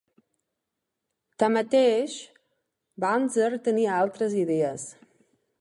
Tanmateix, Banzer tenia altres idees.